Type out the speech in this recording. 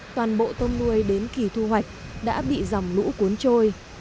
toàn bộ tôm nuôi đến kỳ thu hoạch đã bị dòng lũ cuốn trôi